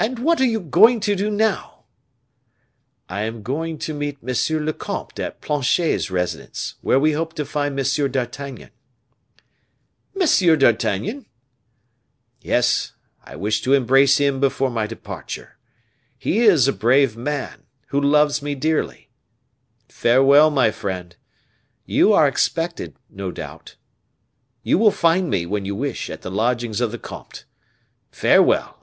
"And what are you going to do now?" "I am going to meet M. le comte at Planchet's residence, where we hope to find M. d'Artagnan." "M. d'Artagnan?" "Yes, I wish to embrace him before my departure. He is a brave man, who loves me dearly. Farewell, my friend; you are expected, no doubt; you will find me, when you wish, at the lodgings of the comte. Farewell!"